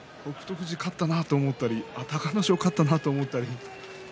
富士勝ったなと思ったり隆の勝、勝ったなと思ったり。